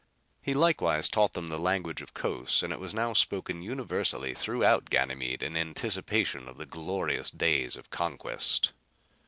He likewise taught them the language of Cos and it now was spoken universally throughout Ganymede in anticipation of the glorious days of conquest.